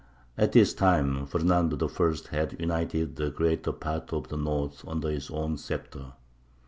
At this time Fernando the First had united the greater part of the north under his own sceptre.